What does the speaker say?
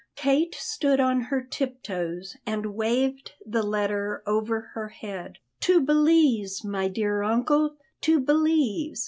Kate stood on her tip toes and waved the letter over her head. "To Belize, my dear uncle, to Belize!